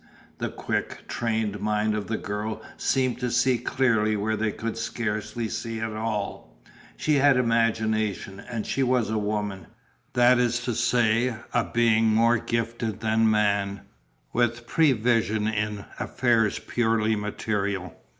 The quick, trained mind of the girl seemed to see clearly where they could scarcely see at all, she had imagination and she was a woman that is to say a being more gifted than man, with prevision in affairs purely material.